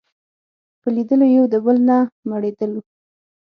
په لیدلو یو د بل نه مړېدلو